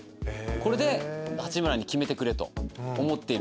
これで八村に決めてくれと思っている。